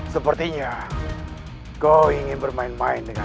sepertinya kau ingin bermain main dengan